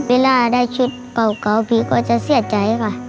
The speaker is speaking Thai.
เวลาได้คลิปเก่าพี่ก็จะเสียใจค่ะ